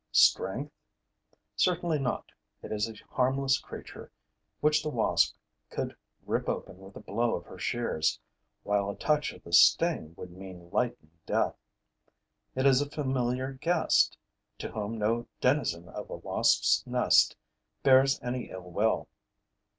Strength? Certainly not. It is a harmless creature, which the wasp could rip open with a blow of her shears, while a touch of the sting would mean lightning death. It is a familiar guest, to whom no denizen of a wasps' nest bears any ill will.